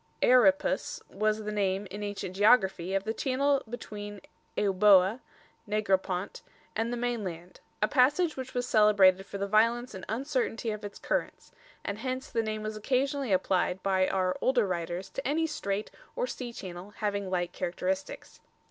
"Euripus" was the name, in ancient geography, of the channel between Eubœa (Negropont) and the mainland a passage which was celebrated for the violence and uncertainty of its currents and hence the name was occasionally applied by our older writers to any strait or sea channel having like characteristics.